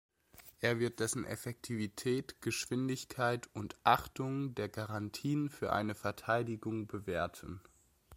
Er wird dessen Effektivität, Geschwindigkeit und Achtung der Garantien für eine Verteidigung bewerten.